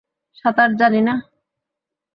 সাঁতার জানি না!